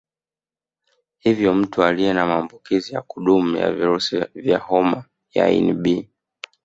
Hivyo Mtu aliye na maambukizi ya kudumu ya virusi vya homa ya ini B